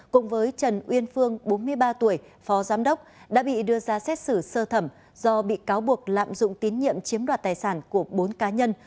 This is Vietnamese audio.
cùng với trần uyên phương bốn mươi ba tuổi phó giám đốc đã bị đưa ra xét xử sơ thẩm do bị cáo buộc lạm dụng tín nhiệm chiếm đoạt tài sản của bốn cá nhân